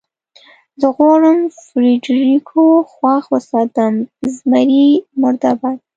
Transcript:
زه غواړم فرېډرېکو خوښ وساتم، زمري مرده باد.